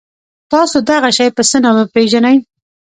تاسو دغه شی په څه نامه پيژنی؟